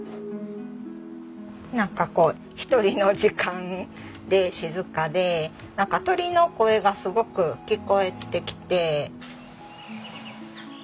なんかこう１人の時間で静かでなんか鳥の声がすごく聞こえてきて。